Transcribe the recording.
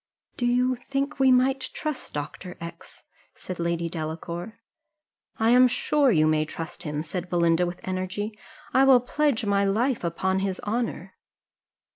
"Do you think we might trust Dr. X ?" said Lady Delacour. "I am sure you may trust him," said Belinda, with energy; "I will pledge my life upon his honour."